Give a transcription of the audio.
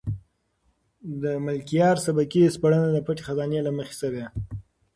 د ملکیار سبکي سپړنه د پټې خزانې له مخې شوې.